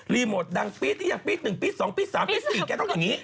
รีโหมดดังปิ๊ดอยากปิ๊ด๑ปิ๊ด๒ปิ๊ด๓ปิ๊ด๔แกต้องอย่างนี้